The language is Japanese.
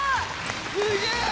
すげえ！